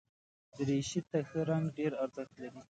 دریشي ته ښه رنګ ډېر ارزښت لري.